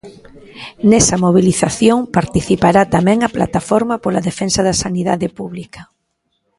Nesa mobilización participará tamén a Plataforma pola Defensa da Sanidade Pública.